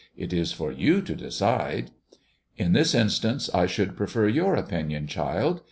" It is for you to decide." "In this instance I should prefer your opinion, child.